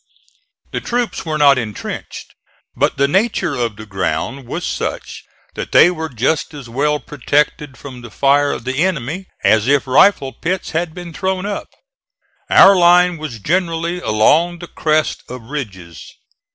The troops were not intrenched, but the nature of the ground was such that they were just as well protected from the fire of the enemy as if rifle pits had been thrown up. Our line was generally along the crest of ridges.